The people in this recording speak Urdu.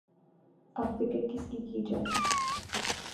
اب فکر کس کی‘ کی جائے؟